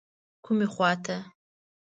کومې خواته.